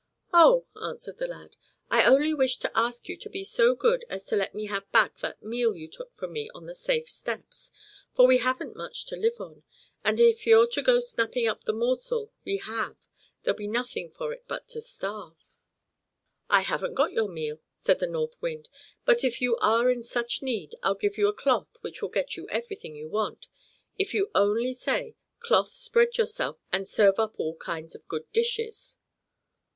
"Oh!" answered the lad, "I only wished to ask you to be so good as to let me have back that meal you took from me on the safe steps, for we haven't much to live on; and if you're to go on snapping up the morsel we have there'll be nothing for it but to starve." "I haven't got your meal," said the North Wind; "but if you are in such need, I'll give you a cloth which will get you everything you want, if you only say, 'Cloth, spread yourself, and serve up all kinds of good dishes!'"